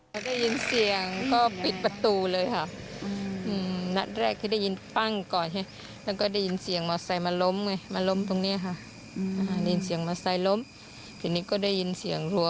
เพราะว่าแกอยู่ความน่า